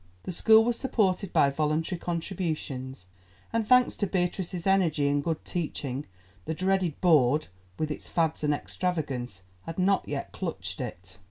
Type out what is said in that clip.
The school was supported by voluntary contributions, and thanks to Beatrice's energy and good teaching, the dreaded Board, with its fads and extravagance, had not yet clutched it.